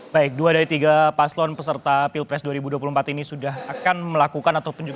baik dua dari tiga paslon peserta pilpres dua ribu dua puluh empat ini sudah akan melakukan